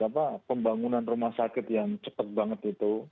apa pembangunan rumah sakit yang cepat banget itu